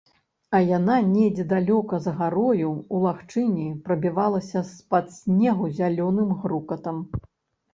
А яна недзе далёка за гарою, у лагчыне, прабівалася з-пад снегу зялёным грукатам.